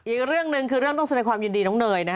อีกเรื่องหนึ่งคือเรื่องต้องแสดงความยินดีน้องเนยนะ